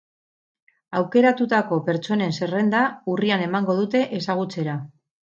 Aukeratutako pertsonen zerrenda urrian emango dute ezagutzera.